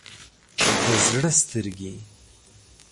د زړه سترګې